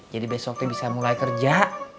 jadi besok tuh bisa mulai kerja